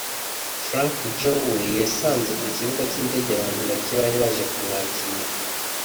Frankie Joe we yasanze ku kibuga cy’indege abantu bake bari baje kumwakira